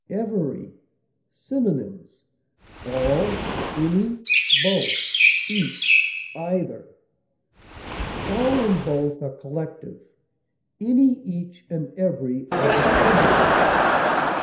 EVERY. Synonyms: all, any, both, each, either. All and both are collective; any, each, and every are distributive.